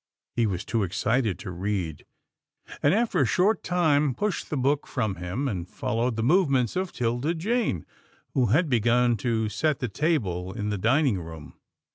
He was too excited to read, and, after a short time, pushed the book from him, and followed the movements of 'Tilda Jane, who had begun to set the table in the dining room.